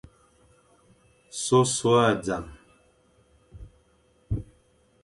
Sôsôe a zam.